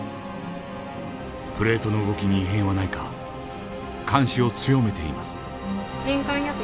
プレートの動きに異変はないか監視を強めています。